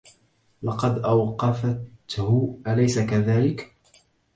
لقد أوقفته، أليس كذلك؟